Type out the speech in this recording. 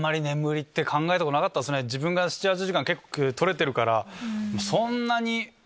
自分が７８時間結構とれてるから。